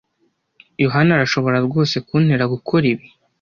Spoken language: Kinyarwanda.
Yohani arashobora rwose kuntera gukora ibi?